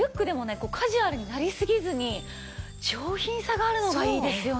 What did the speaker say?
カジュアルになりすぎずに上品さがあるのがいいですよね。